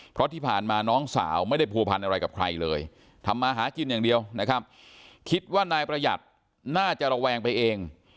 เพราะที่ผ่านมาน้องสาวไม่ได้ผัวพันธ์อะไรกับใครเลยทำมาหากินอย่างเดียวนะครับคิดว่านายประหยัดน่าจะระแวงไปเอง